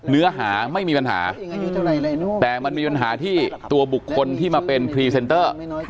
เนื้อหาไม่มีปัญหาแต่มันมีปัญหาที่ตัวบุคคลที่มาเป็นพรีเซนเตอร์